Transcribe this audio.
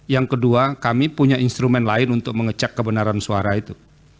yang kedua kami punya instrumen lain untuk mengecek kebenaran suara itu